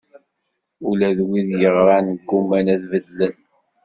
Ula d wid yeɣran gguman ad beddlen.